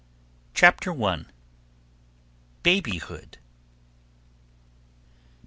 CHAPTER I. BABYHOOD.